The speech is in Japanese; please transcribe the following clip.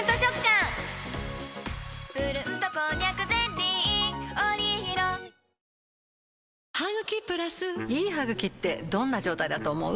ニトリいい歯ぐきってどんな状態だと思う？